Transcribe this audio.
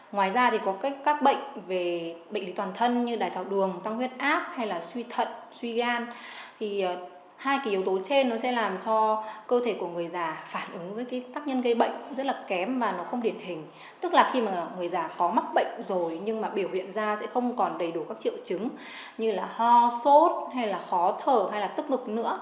nói chung là người cao tuổi mắc bệnh rồi nhưng mà biểu hiện ra sẽ không còn đầy đủ các triệu chứng như là ho sốt hay là khó thở hay là tức ngực nữa